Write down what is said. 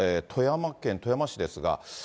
富山県富山市ですが。